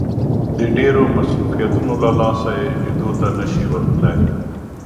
د ډېرو مصروفيتونو له لاسه يې ليدو ته نه شي ورتلای.